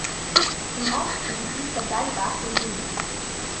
Im Osten umfließt der Deilbach den Höhenzug.